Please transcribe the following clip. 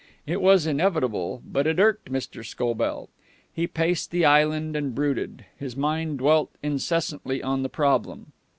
It was inevitable, but it irked Mr. Scobell. He paced the island and brooded. His mind dwelt incessantly on the problem.